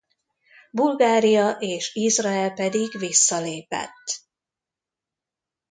Bulgária és Izrael pedig visszalépett.